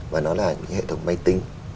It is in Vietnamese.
mà nó là những cái hệ thống máy tính